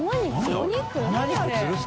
お肉？